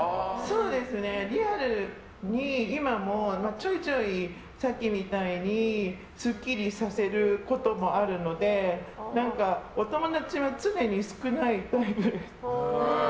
リアルにちょいちょいさっきみたいにすっきりさせることもあるのでお友達は常に少ないタイプです。